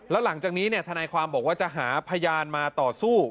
แล้วหลังจากนี้ทนายความบอกว่าจะหาพยานมาต่อสู้